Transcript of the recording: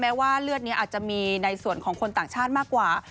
ว่าเลือดนี้อาจจะมีในส่วนของคนต่างชาติมากกว่า